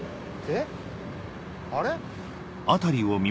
あれ？